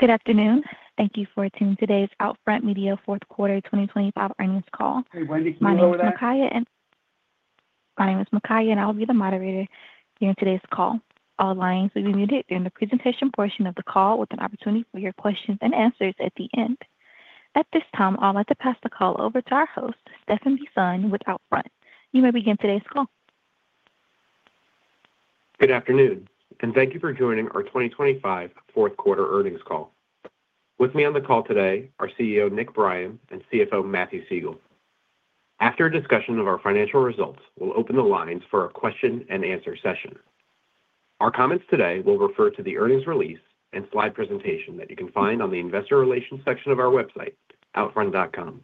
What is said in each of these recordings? Good afternoon. Thank you for attending today's OUTFRONT Media fourth quarter 2025 earnings call. Hey, Wendy, can you roll that? My name is Micaiah, and I will be the moderator during today's call. All lines will be muted during the presentation portion of the call with an opportunity for your questions and answers at the end. At this time, I'd like to pass the call over to our host, Stephan Bisson, with OUTFRONT. You may begin today's call. Good afternoon, and thank you for joining our 2025 fourth quarter earnings call. With me on the call today are CEO, Nick Brien, and CFO, Matthew Siegel. After a discussion of our financial results, we'll open the lines for a question and answer session. Our comments today will refer to the earnings release and slide presentation that you can find on the investor relations section of our website, outfront.com.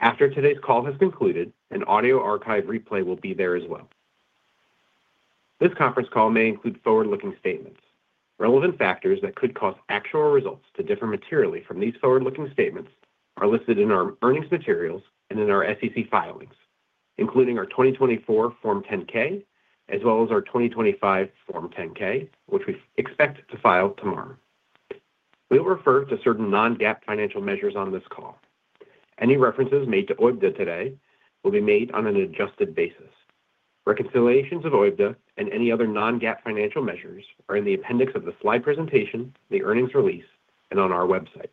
After today's call has concluded, an audio archive replay will be there as well. This conference call may include forward-looking statements. Relevant factors that could cause actual results to differ materially from these forward-looking statements are listed in our earnings materials and in our SEC filings, including our 2024 Form 10-K, as well as our 2025 Form 10-K, which we expect to file tomorrow. We'll refer to certain non-GAAP financial measures on this call. Any references made to OIBDA today will be made on an adjusted basis. Reconciliations of OIBDA and any other non-GAAP financial measures are in the appendix of the slide presentation, the earnings release, and on our website,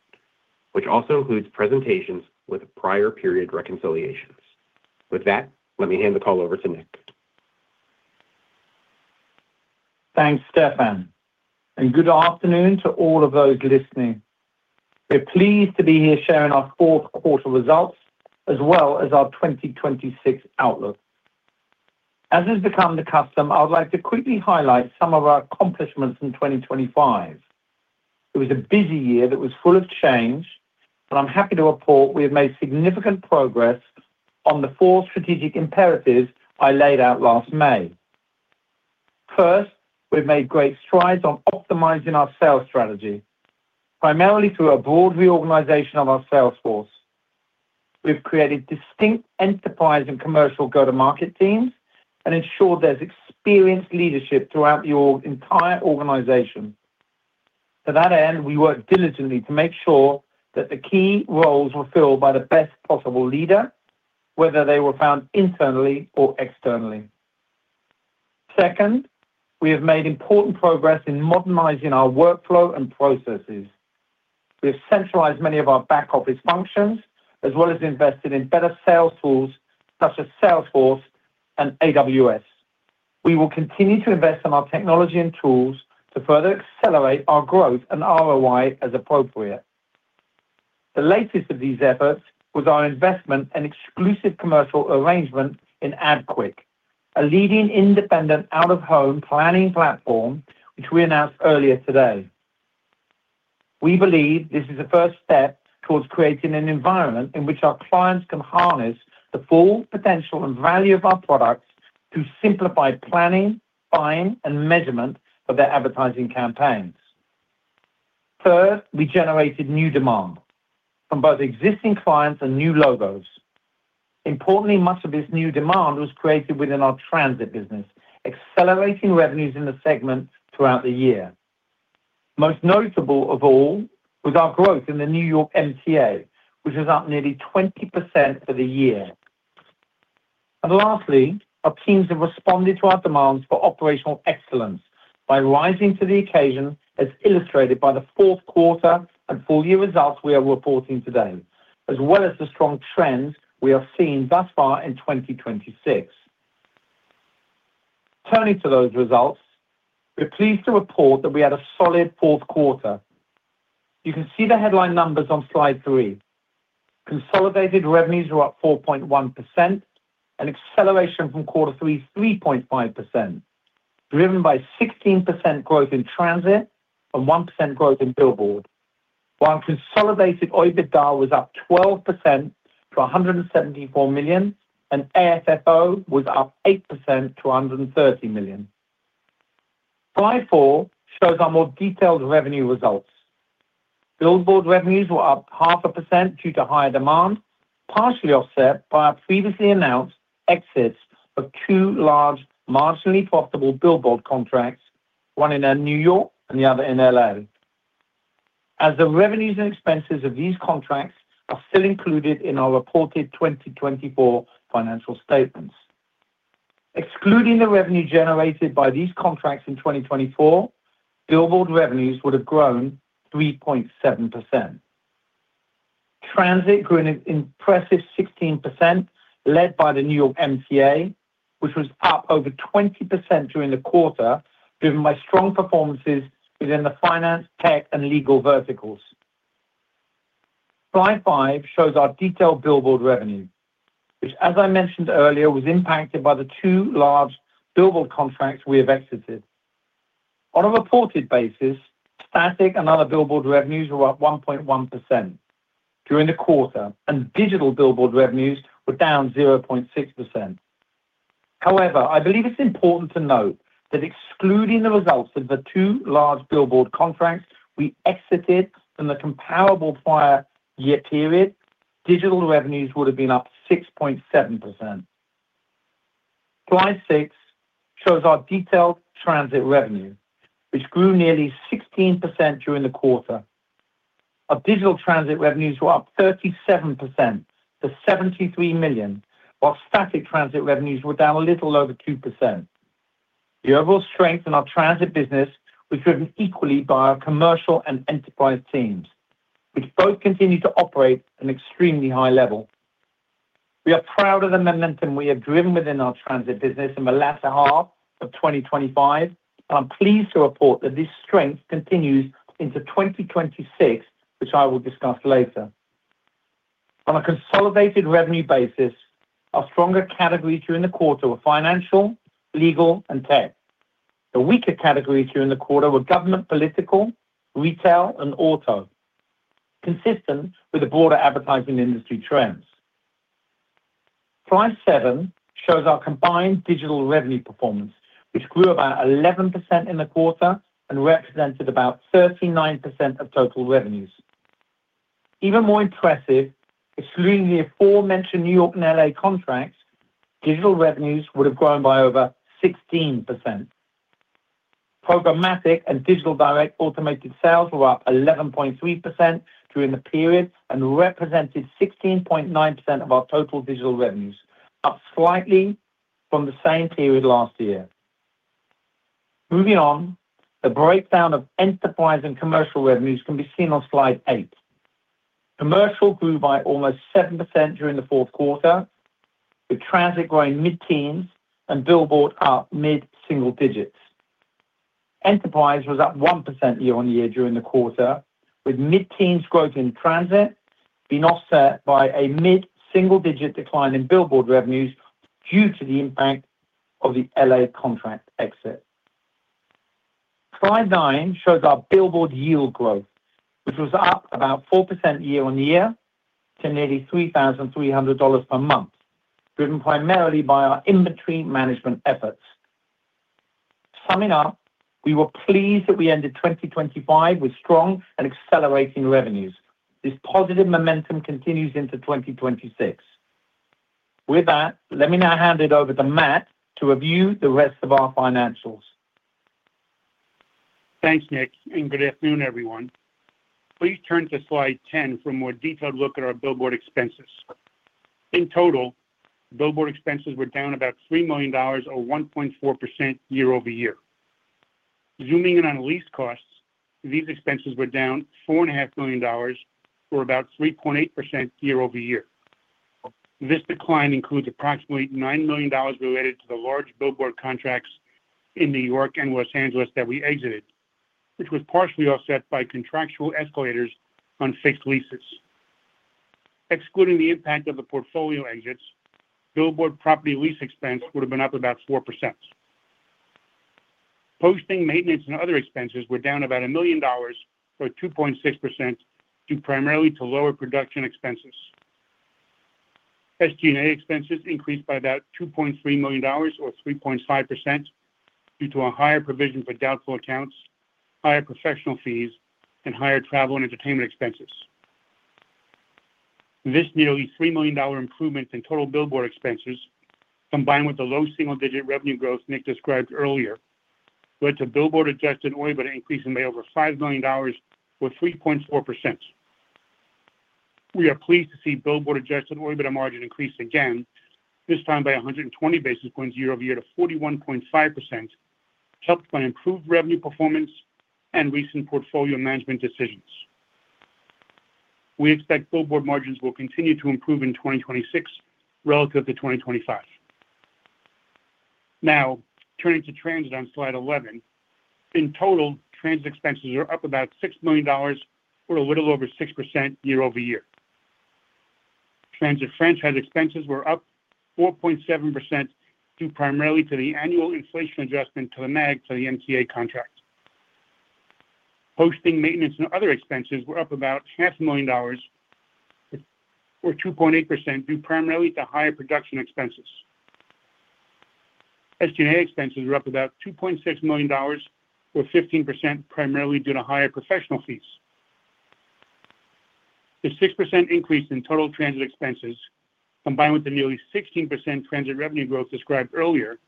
which also includes presentations with prior period reconciliations. With that, let me hand the call over to Nick. Thanks, Stephan. Good afternoon to all of those listening. We're pleased to be here sharing our fourth quarter results, as well as our 2026 outlook. As has become the custom, I would like to quickly highlight some of our accomplishments in 2025. It was a busy year that was full of change, but I'm happy to report we have made significant progress on the four strategic imperatives I laid out last May. First, we've made great strides on optimizing our sales strategy, primarily through a broad reorganization of our sales force. We've created distinct enterprise and commercial go-to-market teams and ensured there's experienced leadership throughout the entire organization. To that end, we worked diligently to make sure that the key roles were filled by the best possible leader, whether they were found internally or externally. Second, we have made important progress in modernizing our workflow and processes. We have centralized many of our back-office functions, as well as invested in better sales tools, such as Salesforce and AWS. We will continue to invest in our technology and tools to further accelerate our growth and ROI as appropriate. The latest of these efforts was our investment and exclusive commercial arrangement in AdQuick, a leading independent out-of-home planning platform, which we announced earlier today. We believe this is a first step towards creating an environment in which our clients can harness the full potential and value of our products to simplify planning, buying, and measurement of their advertising campaigns. Third, we generated new demand from both existing clients and new logos. Importantly, much of this new demand was created within our transit business, accelerating revenues in the segment throughout the year. Most notable of all was our growth in the New York MTA, which was up nearly 20% for the year. Lastly, our teams have responded to our demands for operational excellence by rising to the occasion, as illustrated by the fourth quarter and full year results we are reporting today, as well as the strong trends we are seeing thus far in 2026. Turning to those results, we're pleased to report that we had a solid fourth quarter. You can see the headline numbers on slide 3. Consolidated revenues were up 4.1%, an acceleration from quarter three, 3.5%, driven by 16% growth in transit and 1% growth in billboard, while consolidated OIBDA was up 12% to $174 million, and AFFO was up 8% to $130 million. Slide four shows our more detailed revenue results. Billboard revenues were up 0.5% due to higher demand, partially offset by our previously announced exits of two large, marginally profitable billboard contracts, one in New York and the other in L.A. As the revenues and expenses of these contracts are still included in our reported 2024 financial statements. Excluding the revenue generated by these contracts in 2024, billboard revenues would have grown 3.7%. Transit grew an impressive 16%, led by the New York MTA, which was up over 20% during the quarter, driven by strong performances within the finance, tech, and legal verticals. Slide five shows our detailed billboard revenue, which, as I mentioned earlier, was impacted by the two large billboard contracts we have exited. On a reported basis, static and other billboard revenues were up 1.1% during the quarter, and digital billboard revenues were down 0.6%. However, I believe it's important to note that excluding the results of the two large billboard contracts we exited from the comparable prior year period, digital revenues would have been up 6.7%. Slide 6 shows our detailed transit revenue, which grew nearly 16% during the quarter. Our digital transit revenues were up 37% to $73 million, while static transit revenues were down a little over 2%. The overall strength in our transit business was driven equally by our commercial and enterprise teams, which both continue to operate at an extremely high level. We are proud of the momentum we have driven within our transit business in the latter half of 2025. I'm pleased to report that this strength continues into 2026, which I will discuss later. On a consolidated revenue basis, our stronger categories during the quarter were financial, legal, and tech. The weaker categories during the quarter were government, political, retail, and auto, consistent with the broader advertising industry trends. Slide 7 shows our combined digital revenue performance, which grew about 11% in the quarter and represented about 39% of total revenues. Even more impressive, excluding the aforementioned New York and L.A. contracts, digital revenues would have grown by over 16%. Programmatic and digital direct automated sales were up 11.3% during the period and represented 16.9% of our total digital revenues, up slightly from the same period last year. Moving on, the breakdown of enterprise and commercial revenues can be seen on slide 8. Commercial grew by almost 7% during the fourth quarter, with transit growing mid-teens and billboard up mid-single digits. Enterprise was up 1% year-on-year during the quarter, with mid-teens growth in transit being offset by a mid-single-digit decline in billboard revenues due to the impact of the L.A. contract exit. Slide 9 shows our billboard yield growth, which was up about 4% year-on-year to nearly $3,300 per month, driven primarily by our inventory management efforts. Summing up, we were pleased that we ended 2025 with strong and accelerating revenues. This positive momentum continues into 2026. With that, let me now hand it over to Matt to review the rest of our financials. Thanks, Nick. Good afternoon, everyone. Please turn to slide 10 for a more detailed look at our billboard expenses. In total, billboard expenses were down about $3 million or 1.4% year-over-year. Zooming in on lease costs, these expenses were down $4.5 million, or about 3.8% year-over-year. This decline includes approximately $9 million related to the large billboard contracts in New York and Los Angeles that we exited, which was partially offset by contractual escalators on fixed leases. Excluding the impact of the portfolio exits, billboard property lease expense would have been up about 4%. Posting, maintenance, and other expenses were down about $1 million, or 2.6%, due primarily to lower production expenses. SG&A expenses increased by about $2.3 million or 3.5% due to a higher provision for doubtful accounts, higher professional fees, and higher travel and entertainment expenses. This nearly $3 million improvement in total billboard expenses, combined with the low single-digit revenue growth Nick described earlier, led to billboard adjusted OIBDA increasing by over $5 million, or 3.4%. We are pleased to see billboard adjusted OIBDA margin increase again, this time by 120 basis points year-over-year to 41.5%, helped by improved revenue performance and recent portfolio management decisions. We expect billboard margins will continue to improve in 2026 relative to 2025. Now, turning to transit on slide 11. In total, transit expenses are up about $6 million, or a little over 6% year-over-year. Transit franchise expenses were up 4.7%, due primarily to the annual inflation adjustment to the MAG for the MTA contract. Posting, maintenance, and other expenses were up about $500,000, or 2.8%, due primarily to higher production expenses. SG&A expenses were up about $2.6 million, or 15%, primarily due to higher professional fees. The 6% increase in total transit expenses, combined with the nearly 16% transit revenue growth described earlier,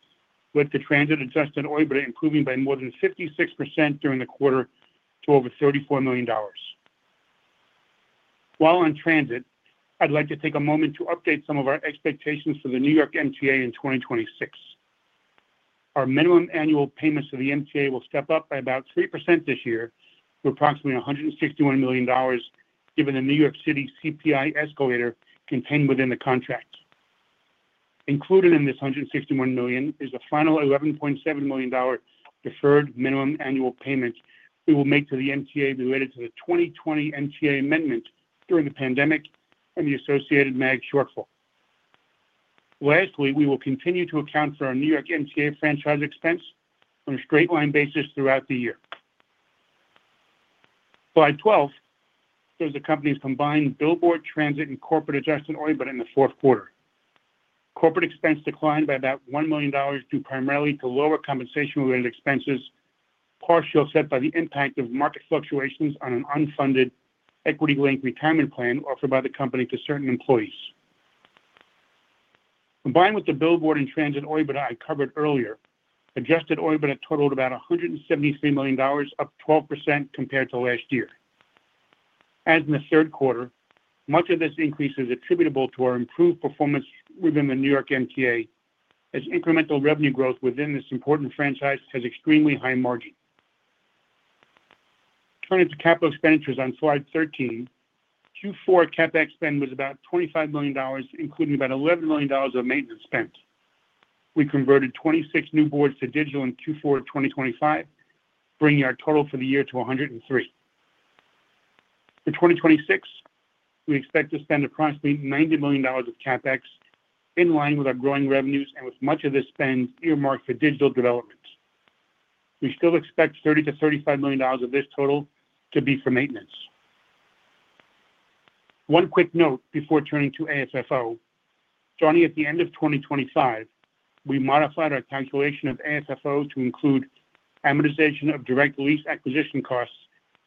led to transit adjusted OIBDA improving by more than 56% during the quarter to over $34 million. While on transit, I'd like to take a moment to update some of our expectations for the New York MTA in 2026. Our minimum annual payments to the MTA will step up by about 3% this year to approximately $161 million, given the New York City CPI escalator contained within the contract. Included in this $161 million is a final $11.7 million deferred minimum annual payment we will make to the MTA related to the 2020 MTA amendment during the pandemic and the associated MAG shortfall. Lastly, we will continue to account for our New York MTA franchise expense on a straight line basis throughout the year. Slide 12 shows the company's combined billboard, transit, and corporate adjusted OIBDA in the fourth quarter. Corporate expense declined by about $1 million, due primarily to lower compensation-related expenses. Partial offset by the impact of market fluctuations on an unfunded equity link retirement plan offered by the company to certain employees. Combined with the billboard and transit OIBDA I covered earlier, adjusted OIBDA totaled about $173 million, up 12% compared to last year. As in the third quarter, much of this increase is attributable to our improved performance within the New York MTA, as incremental revenue growth within this important franchise has extremely high margin. Turning to capital expenditures on slide 13, Q4 CapEx spend was about $25 million, including about $11 million of maintenance spent. We converted 26 new boards to digital in Q4 of 2025, bringing our total for the year to 103. In 2026, we expect to spend approximately $90 million of CapEx, in line with our growing revenues and with much of this spend earmarked for digital development. We still expect $30 million-$35 million of this total to be for maintenance. One quick note before turning to AFFO. Starting at the end of 2025, we modified our calculation of AFFO to include amortization of direct lease acquisition costs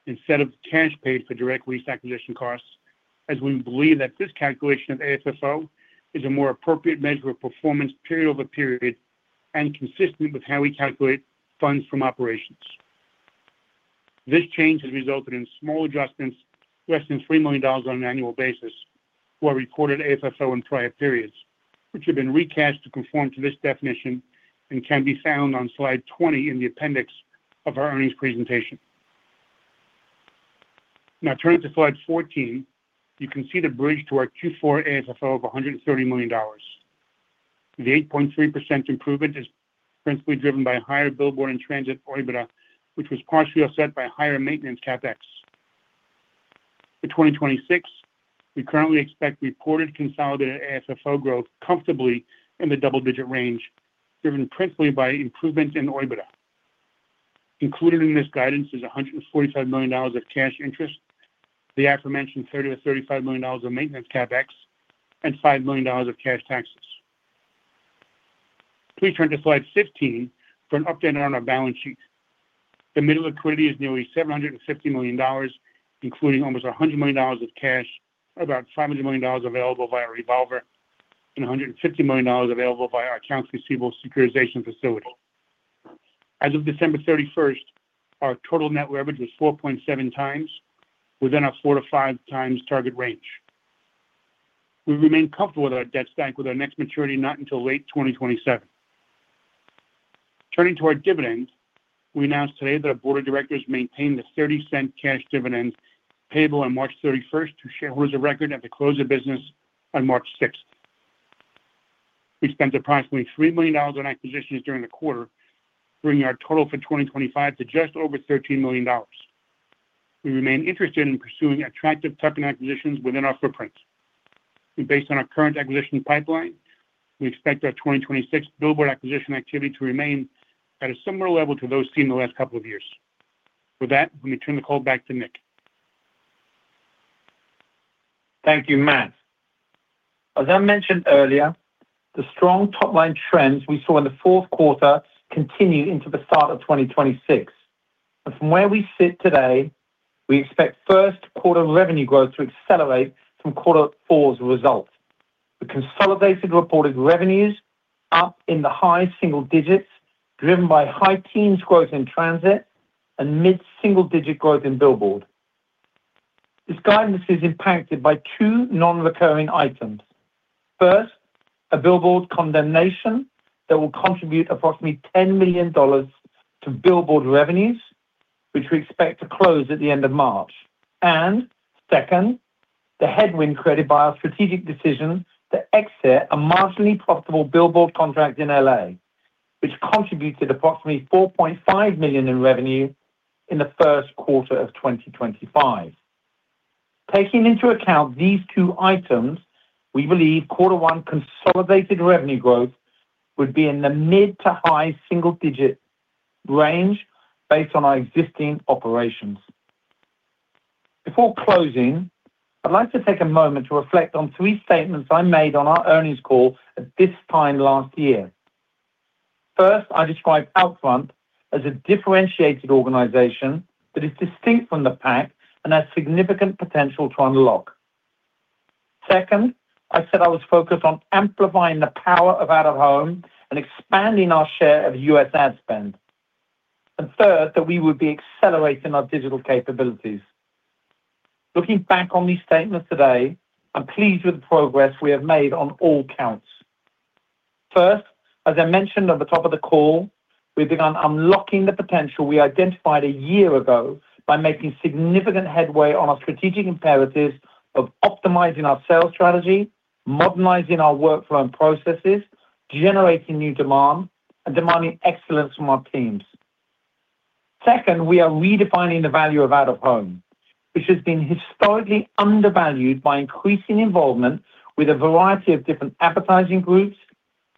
instead of cash paid for direct lease acquisition costs, as we believe that this calculation of AFFO is a more appropriate measure of performance period-over-period and consistent with how we calculate funds from operations. This change has resulted in small adjustments, less than $3 million on an annual basis, for recorded AFFO in prior periods, which have been recast to conform to this definition and can be found on slide 20 in the appendix of our earnings presentation. Turning to slide 14, you can see the bridge to our Q4 AFFO of $130 million. The 8.3% improvement is principally driven by higher billboard and transit OIBDA, which was partially offset by higher maintenance CapEx. In 2026, we currently expect reported consolidated AFFO growth comfortably in the double-digit range, driven principally by improvements in OIBDA. Included in this guidance is $145 million of cash interest, the aforementioned $30 million-$35 million of maintenance CapEx, and $5 million of cash taxes. Please turn to slide 15 for an update on our balance sheet. The mineral equity is nearly $750 million, including almost $100 million of cash, about $700 million available via revolver, and $150 million available via our accounts receivable securitization facility. As of December 31st, our total net leverage was 4.7x, within our 4x-5x target range. We remain comfortable with our debt stack, with our next maturity not until late 2027. Turning to our dividends, we announced today that our board of directors maintained the $0.30 cash dividend payable on March 31st to shareholders of record at the close of business on March 6th. We spent approximately $3 million on acquisitions during the quarter, bringing our total for 2025 to just over $13 million. We remain interested in pursuing attractive tuck-in acquisitions within our footprint. Based on our current acquisition pipeline, we expect our 2026 billboard acquisition activity to remain at a similar level to those seen in the last couple of years. With that, let me turn the call back to Nick. Thank you, Matthew. As I mentioned earlier, the strong top-line trends we saw in the fourth quarter continue into the start of 2026. From where we sit today, we expect first quarter revenue growth to accelerate from quarter four's results. The consolidated reported revenues up in the high single digits, driven by high teens growth in transit and mid-single digit growth in billboard. This guidance is impacted by two non-recurring items. First, a billboard condemnation that will contribute approximately $10 million to billboard revenues, which we expect to close at the end of March. Second, the headwind created by our strategic decision to exit a marginally profitable billboard contract in L.A., which contributed approximately $4.5 million in revenue in the first quarter of 2025. Taking into account these two items, we believe quarter one consolidated revenue growth would be in the mid to high single-digit range based on our existing operations. Before closing, I'd like to take a moment to reflect on three statements I made on our earnings call at this time last year. First, I described OUTFRONT as a differentiated organization that is distinct from the pack and has significant potential to unlock. Second, I said I was focused on amplifying the power of out-of-home and expanding our share of U.S. ad spend. Third, that we would be accelerating our digital capabilities. Looking back on these statements today, I'm pleased with the progress we have made on all counts. First, as I mentioned at the top of the call, we've begun unlocking the potential we identified a year ago by making significant headway on our strategic imperatives of optimizing our sales strategy, modernizing our workflow and processes, generating new demand, and demanding excellence from our teams. Second, we are redefining the value of out-of-home, which has been historically undervalued by increasing involvement with a variety of different advertising groups,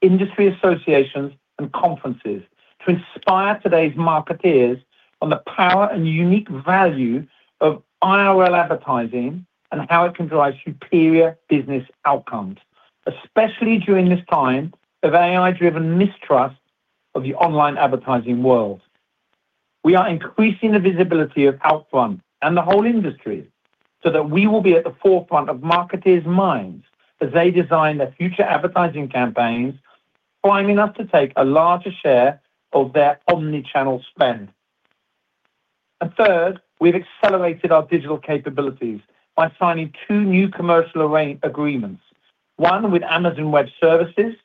industry associations, and conferences to inspire today's marketeers on the power and unique value of IRL advertising and how it can drive superior business outcomes especially during this time of AI-driven mistrust of the online advertising world. We are increasing the visibility of OUTFRONT and the whole industry, so that we will be at the forefront of marketers' minds as they design their future advertising campaigns, priming us to take a larger share of their omni-channel spend. Third, we've accelerated our digital capabilities by signing two new commercial agreements. One with Amazon Web Services,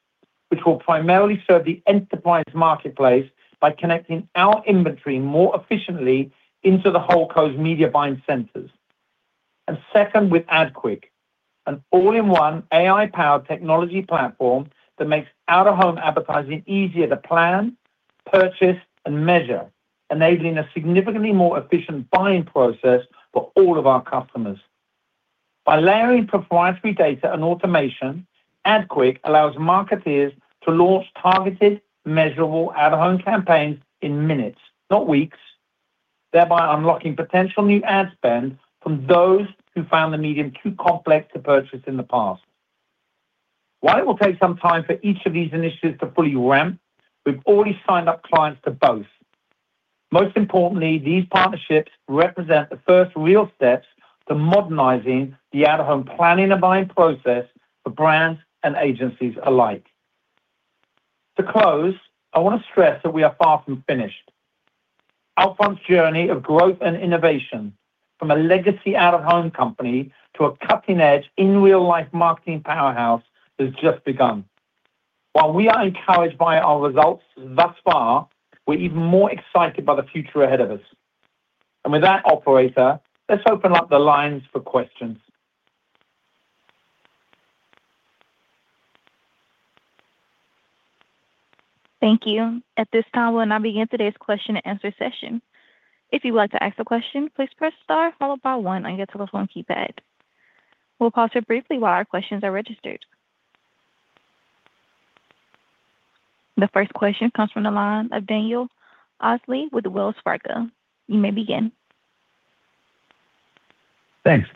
which will primarily serve the enterprise marketplace by connecting our inventory more efficiently into the holdcos' media buying centers. Second, with AdQuick, an all-in-one AI-powered technology platform that makes out-of-home advertising easier to plan, purchase, and measure, enabling a significantly more efficient buying process for all of our customers. By layering proprietary data and automation, AdQuick allows marketers to launch targeted, measurable out-of-home campaigns in minutes, not weeks, thereby unlocking potential new ad spend from those who found the medium too complex to purchase in the past. While it will take some time for each of these initiatives to fully ramp, we've already signed up clients to both. Most importantly, these partnerships represent the first real steps to modernizing the out-of-home planning and buying process for brands and agencies alike. To close, I want to stress that we are far from finished. OUTFRONT's journey of growth and innovation from a legacy out-of-home company to a cutting-edge, in-real-life marketing powerhouse has just begun. While we are encouraged by our results thus far, we're even more excited by the future ahead of us. With that, operator, let's open up the lines for questions. Thank you. At this time, we'll now begin today's question and answer session. If you'd like to ask a question, please press star followed by one on your telephone keypad. We'll pause here briefly while our questions are registered. The first question comes from the line of Daniel Osley with Wells Fargo. You may begin. Thanks.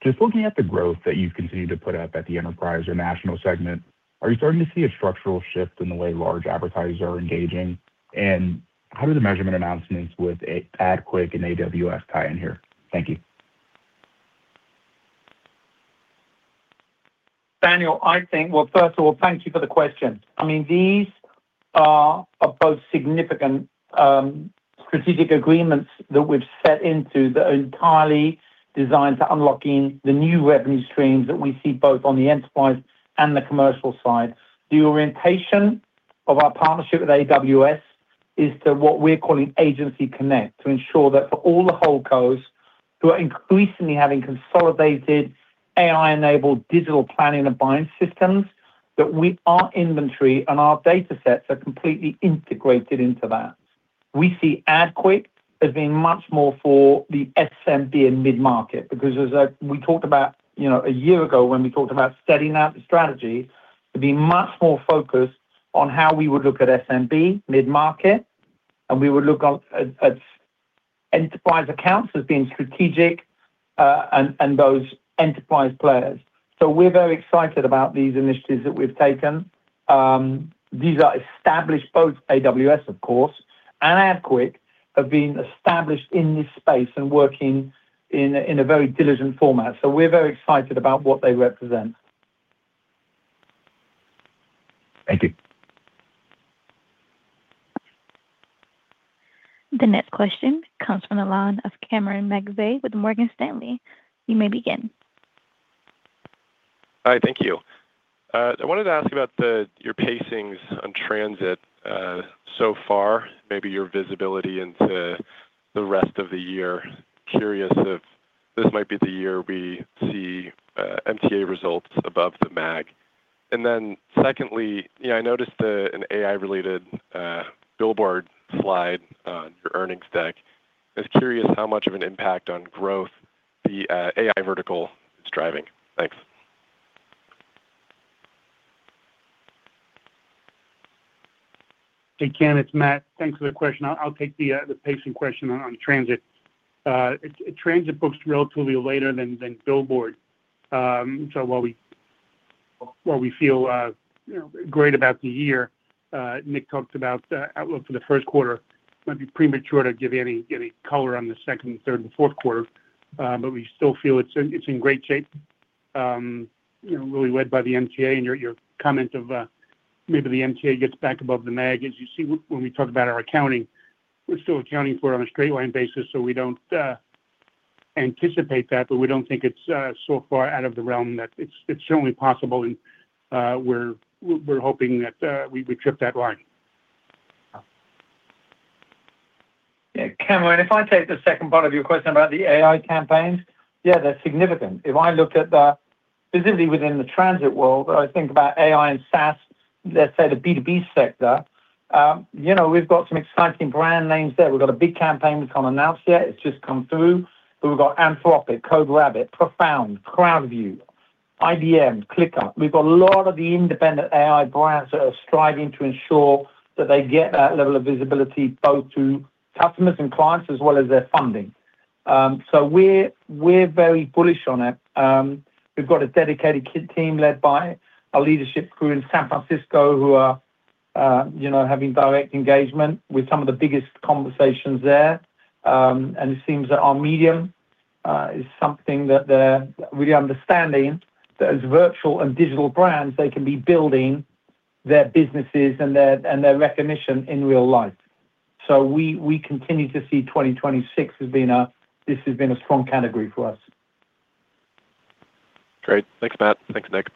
Just looking at the growth that you've continued to put up at the enterprise or national segment, are you starting to see a structural shift in the way large advertisers are engaging? How do the measurement announcements with AdQuick and AWS tie in here? Thank you. Daniel, Well, first of all, thank you for the question. I mean, these are both significant strategic agreements that we've set into that are entirely designed to unlocking the new revenue streams that we see both on the enterprise and the commercial side. The orientation of our partnership with AWS is to what we're calling Agency Connect, to ensure that for all the holdcos who are increasingly having consolidated AI-enabled digital planning and buying systems, that our inventory and our datasets are completely integrated into that. We see AdQuick as being much more for the SMB and mid-market, because as we talked about, you know, a year ago, when we talked about setting out the strategy, to be much more focused on how we would look at SMB, mid-market, and we would look at enterprise accounts as being strategic, and those enterprise players. We're very excited about these initiatives that we've taken. These are established, both AWS, of course, and AdQuick, have been established in this space and working in a very diligent format. We're very excited about what they represent. Thank you. The next question comes from the line of Cameron McVeigh with Morgan Stanley. You may begin. Hi, thank you. I wanted to ask about your pacings on transit so far, maybe your visibility into the rest of the year. Curious if this might be the year we see MTA results above the MAG? Secondly, yeah, I noticed an AI-related billboard slide on your earnings deck. I was curious how much of an impact on growth the AI vertical is driving? Thanks. Hey, Cam, it's Matt. Thanks for the question. I'll take the pacing question on transit. Transit books relatively later than billboard. While we feel, you know, great about the year, Nick talked about the outlook for the first quarter, it might be premature to give any color on the second, third, and fourth quarter, but we still feel it's in great shape, you know, really led by the MTA and your comment of maybe the MTA gets back above the MAG. As you see, when we talk about our accounting, we're still accounting for it on a straight line basis, so we don't anticipate that, but we don't think it's so far out of the realm that it's certainly possible, and we're hoping that we trip that line. Cameron, if I take the second part of your question about the AI campaigns, yeah, they're significant. If I looked at the visibility within the transit world, I think about AI and SaaS, let's say the B2B sector, you know, we've got some exciting brand names there. We've got a big campaign we can't announce yet. It's just come through, but we've got Anthropic, CodeRabbit, Profound, CrowdView, IBM, ClickUp. We've got a lot of the independent AI brands that are striving to ensure that they get that level of visibility both to customers and clients, as well as their funding. We're very bullish on it. We've got a dedicated team led by a leadership crew in San Francisco who are, you know, having direct engagement with some of the biggest conversations there. It seems that our medium is something that they're really understanding, that as virtual and digital brands, they can be building their businesses and their recognition in real life. We continue to see 2026 as being this has been a strong category for us. Great. Thanks, Matt. Thanks, Nick.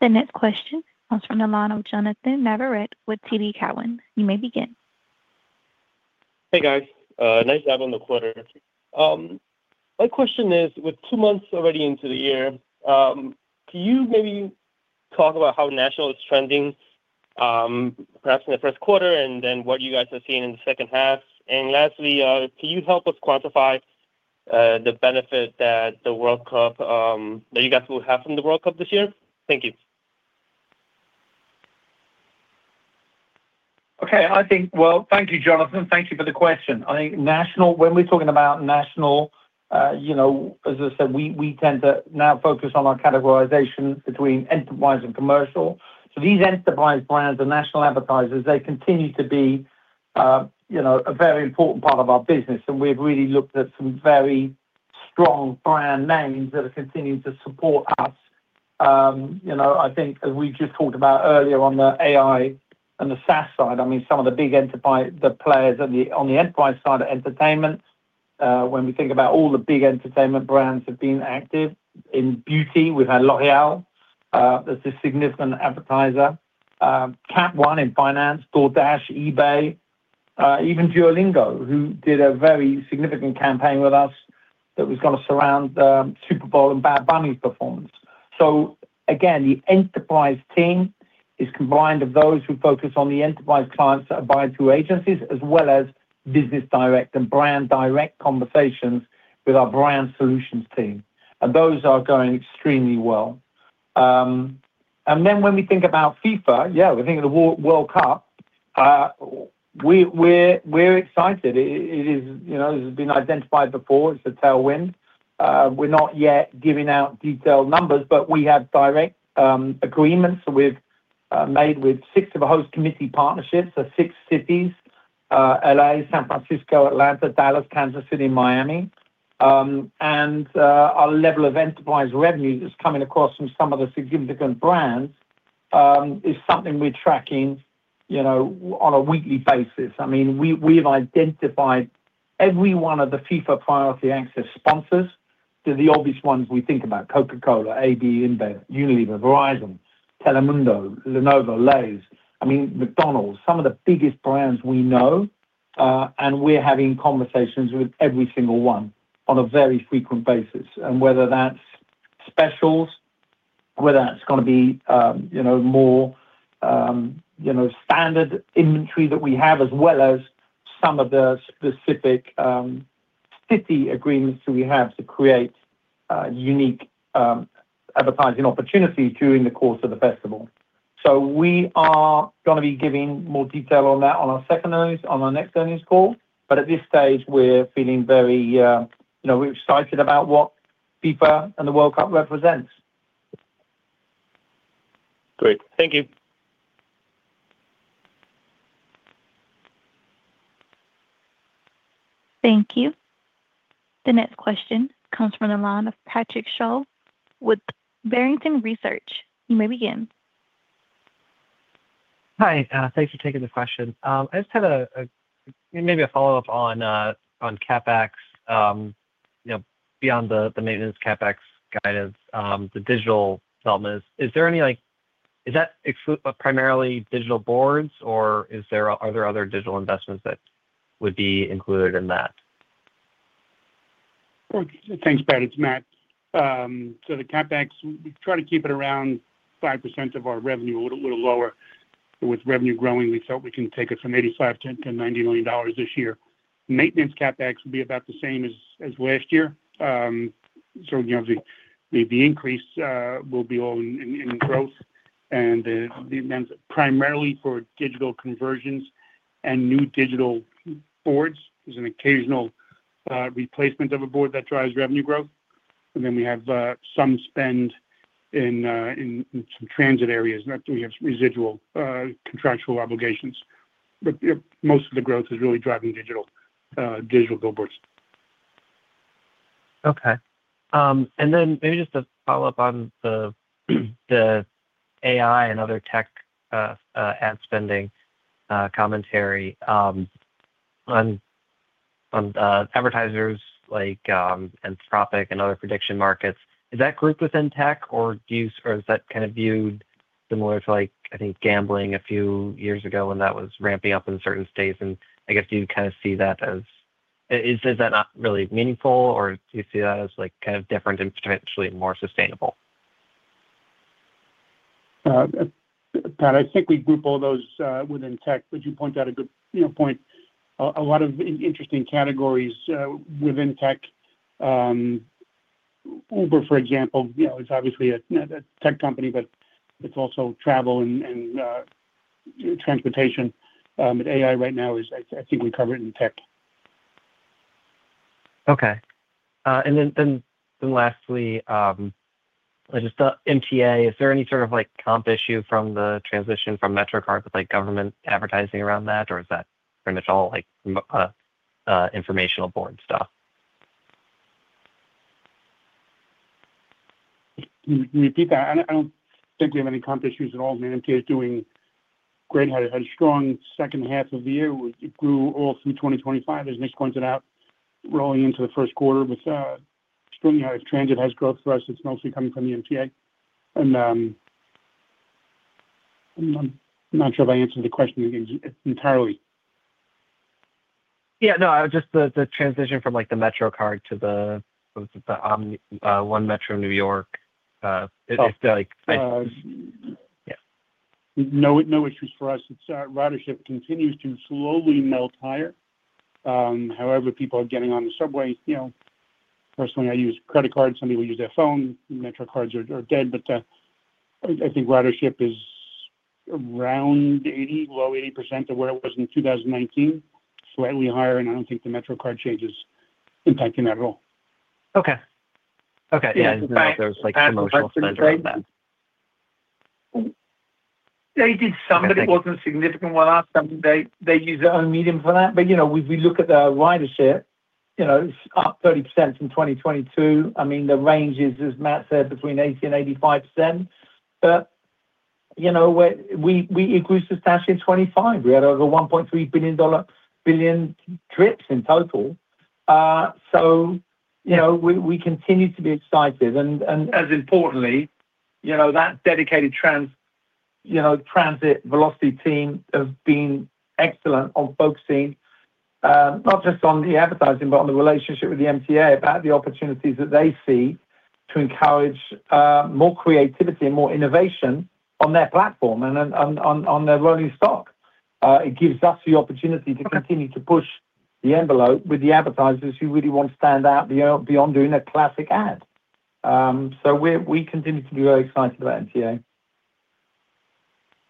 The next question comes from the line of Jonathan Navarrete with TD Cowen. You may begin. Hey, guys. Nice job on the quarter. My question is, with two months already into the year, can you maybe talk about how national is trending, perhaps in the first quarter, and then what you guys are seeing in the second half? Lastly, can you help us quantify, the benefit that the World Cup, that you guys will have from the World Cup this year? Thank you. Well, thank you, Jonathan. Thank you for the question. When we're talking about national, you know, as I said, we tend to now focus on our categorization between enterprise and commercial. These enterprise brands and national advertisers, they continue to be, you know, a very important part of our business, and we've really looked at some very strong brand names that have continued to support us. You know, I think as we just talked about earlier on the AI and the SaaS side, I mean, some of the big enterprise, the players on the enterprise side are entertainment. When we think about all the big entertainment brands have been active. In beauty, we've had L'Oréal as a significant advertiser, Capital One in finance, DoorDash, eBay, even Duolingo, who did a very significant campaign with us that was going to surround the Super Bowl and Bad Bunny performance. Again, the enterprise team is combined of those who focus on the enterprise clients that buy through agencies, as well as business direct and brand direct conversations with our brand solutions team. Those are going extremely well. When we think about FIFA, yeah, we think of the World Cup, we're excited. It is, you know, this has been identified before, it's a tailwind. We're not yet giving out detailed numbers, but we have direct agreements we've made with six of the host committee partnerships. 6 cities, L.A., San Francisco, Atlanta, Dallas, Kansas City, Miami. Our level of enterprise revenue that's coming across from some of the significant brands is something we're tracking, you know, on a weekly basis. We've identified every one of the FIFA priority access sponsors to the obvious ones we think about, Coca-Cola, AB InBev, Unilever, Verizon, Telemundo, Lenovo, Lay's, I mean, McDonald's, some of the biggest brands we know, and we're having conversations with every single one on a very frequent basis. Whether that's specials, whether that's gonna be, you know, more, you know, standard inventory that we have, as well as some of the specific city agreements that we have to create unique advertising opportunities during the course of the festival. We are gonna be giving more detail on that on our next earnings call. At this stage, we're feeling very, you know, we're excited about what FIFA and the World Cup represents. Great. Thank you. Thank you. The next question comes from the line of Patrick Shute with Barrington Research. You may begin. Hi, thanks for taking the question. I just had a maybe a follow-up on CapEx, you know, beyond the maintenance CapEx guidance, the digital development. Is that exclude primarily digital boards, or are there other digital investments that would be included in that? Thanks, Pat, it's Matt. The CapEx, we try to keep it around 5% of our revenue, a little lower. With revenue growing, we thought we can take it from $85 million to $90 million this year. Maintenance CapEx will be about the same as last year. You know, the increase will be all in growth and primarily for digital conversions and new digital boards. There's an occasional replacement of a board that drives revenue growth, we have some spend in some transit areas, that we have residual contractual obligations. Most of the growth is really driving digital billboards. Okay. Then maybe just to follow up on the AI and other tech ad spending commentary on advertisers like Anthropic and other prediction markets. Is that grouped within tech, or is that kind of viewed similar to, like, I think gambling a few years ago when that was ramping up in certain states? I guess you kind of see that as, is that not really meaningful, or do you see that as like, kind of different and potentially more sustainable? Pat, I think we group all those within tech, but you point out a good, you know, point, a lot of interesting categories within tech. Uber, for example, you know, it's obviously a tech company, but it's also travel and transportation. AI right now is, I think we cover it in tech. Okay. Then lastly, I just, MTA, is there any sort of, like, comp issue from the transition from MetroCard to, like, government advertising around that? Or is that pretty much all, like, informational board stuff? Can you repeat that? I don't think we have any comp issues at all. I mean, MTA is doing great. Had a strong second half of the year. It grew all through 2025, as Nick pointed out, rolling into the first quarter with extremely high transit house growth. For us, it's mostly coming from the MTA. I'm not sure if I answered the question entirely. Yeah, no, just the transition from, like, the MetroCard to the OMNY, One Metro New York? It's like. Uh. Yeah. No, no issues for us. It's, ridership continues to slowly melt higher. However, people are getting on the subway. You know, personally, I use credit cards. Some people use their phone. MetroCards are dead, but, I think ridership is around 80%, low 80% of where it was in 2019, slightly higher, and I don't think the MetroCard change is impacting that at all. Okay. Okay, yeah- Yeah. There was, like, promotional measure on that. They did somebody who wasn't a significant one last time. They used their own medium for that. You know, we look at the ridership, you know, it's up 30% from 2022. I mean, the range is, as Matt said, between 80% and 85%. You know, we increased substantially in 25. We had over 1.3 billion trips in total. You know, we continue to be excited. As importantly, you know, that dedicated, you know, transit velocity team have been excellent on focusing not just on the advertising, but on the relationship with the MTA, about the opportunities that they see to encourage more creativity and more innovation on their platform and on their rolling stock. It gives us the opportunity to continue to push the envelope with the advertisers who really want to stand out beyond doing a classic ad. We continue to be very excited about MTA.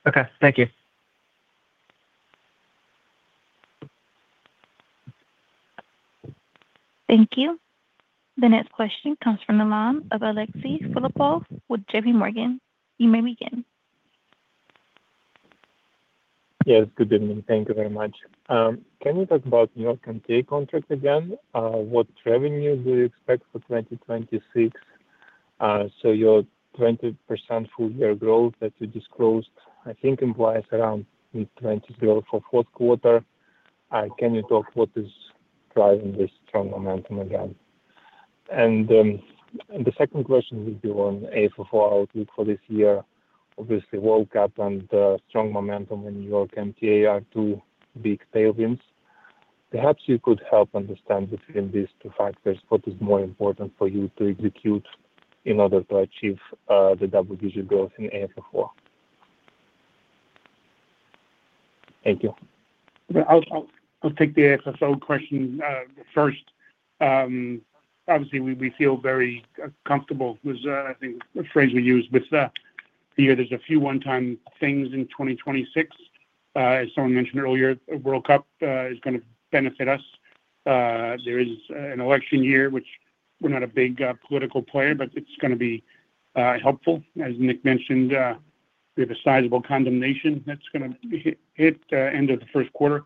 Okay. Thank you. Thank you. The next question comes from the line of Alexey Philippov with J.P. Morgan. You may begin. Yes, good evening. Thank you very much. Can you talk about New York MTA contract again? What revenue do you expect for 2026? Your 20% full year growth that you disclosed, I think implies around 20% growth for fourth quarter. Can you talk what is driving this strong momentum again? The second question will be on AFFO outlook for this year. Obviously, World Cup and strong momentum in New York MTA are two big tailwinds. Perhaps you could help understand between these two factors, what is more important for you to execute in order to achieve the double-digit growth in AFFO? Thank you. I'll take the AFFO question first. Obviously, we feel very comfortable with I think the phrase we use, but here there's a few one-time things in 2026. As someone mentioned earlier, the World Cup is gonna benefit us. There is an election year, which we're not a big political player, but it's gonna be helpful. As Nick mentioned, we have a sizable condemnation that's gonna hit end of the first quarter.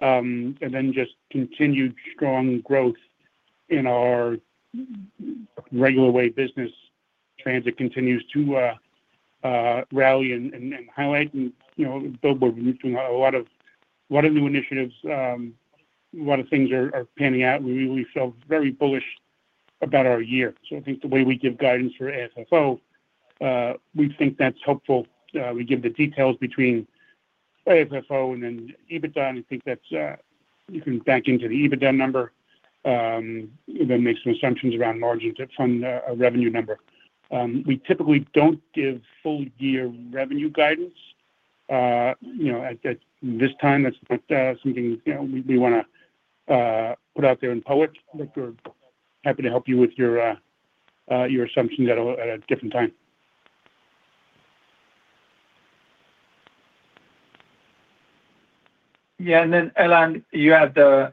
Just continued strong growth in our regular way. Business transit continues to rally and highlight. You know, Billboard, we're doing a lot of new initiatives. A lot of things are panning out. We feel very bullish about our year. I think the way we give guidance for AFFO, we think that's helpful. We give the details between AFFO and then EBITDA. I think that's, you can back into the EBITDA number, and then make some assumptions around margins from the revenue number. We typically don't give full year revenue guidance. You know, at this time, that's not something, you know, we wanna put out there in public, but we're happy to help you with your assumptions at a different time. Yeah, Alan, you had the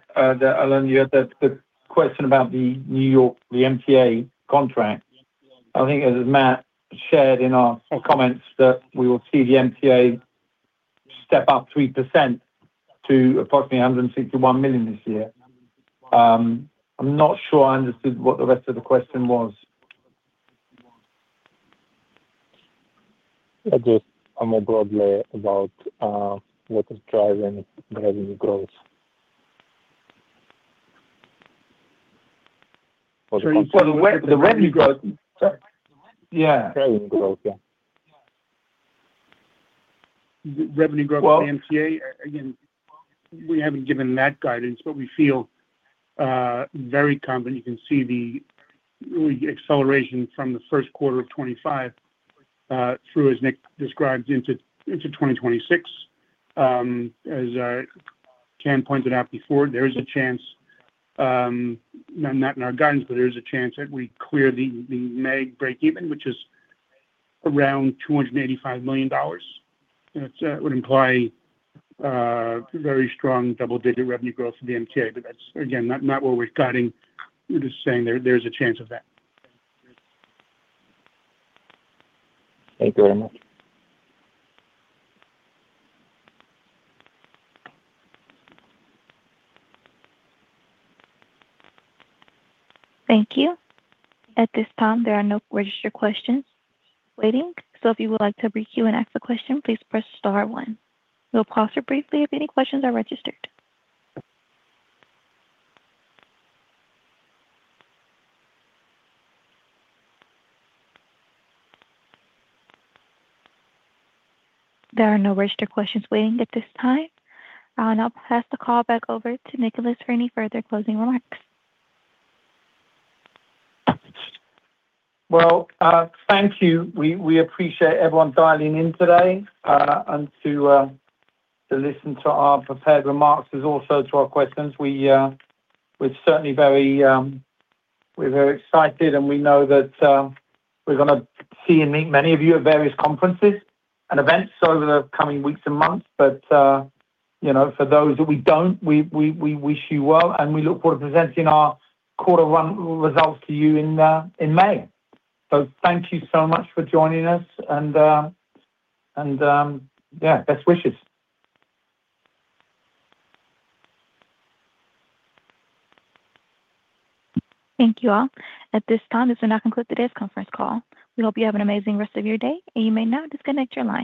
question about the New York, the MTA contract. I think as Matt shared in our comments, that we will see the MTA step up 3% to approximately $161 million this year. I'm not sure I understood what the rest of the question was. Just more broadly about, what is driving the revenue growth. The revenue growth. Sorry. Yeah. Revenue growth, yeah. Revenue growth for MTA? Well- We haven't given that guidance, but we feel, very confident. You can see the really acceleration from the first quarter of 25, through, as Nick described, into 2026. As Ken pointed out before, there is a chance, not in our guidance, but there is a chance that we clear the MAG breakeven, which is around $285 million. That would imply very strong double-digit revenue growth for the MTA. That's again, not what we're guiding. We're just saying there's a chance of that. Thank you very much. Thank you. At this time, there are no registered questions waiting. If you would like to requeue and ask a question, please press star one. We'll pause here briefly if any questions are registered. There are no registered questions waiting at this time. I'll pass the call back over to Nicholas for any further closing remarks. Well, thank you. We appreciate everyone dialing in today, and to listen to our prepared remarks, as also to our questions. We're certainly very, we're very excited, and we know that we're gonna see and meet many of you at various conferences and events over the coming weeks and months. You know, for those that we don't, we wish you well, and we look forward to presenting our quarter one results to you in May. Thank you so much for joining us, and, yeah, best wishes. Thank you all. At this time, this will now conclude today's conference call. We hope you have an amazing rest of your day. You may now disconnect your lines.